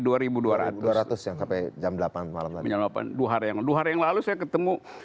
dua hari yang lalu saya ketemu